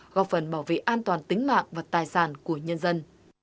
góp phần bảo vệ an toàn tính mạng và tài sản của nhân dân